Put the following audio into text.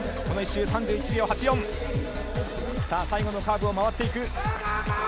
この１周３８秒１４、最後のカーブを回っていく。